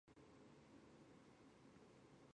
布洛尼拉格拉斯。